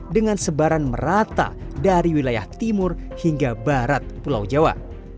dengan sebaran merata dari wilayah timur hingga barat pulau jawa